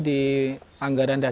di anggaran dasar